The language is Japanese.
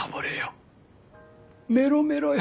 メロメロよ。